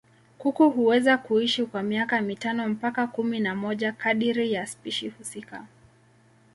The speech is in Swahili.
Kuku huweza kuishi kwa miaka mitano mpaka kumi na moja kadiri ya spishi husika.